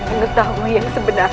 mengetahui yang sebenarnya